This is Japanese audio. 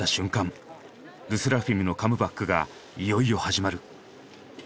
ＬＥＳＳＥＲＡＦＩＭのカムバックがいよいよ始まる。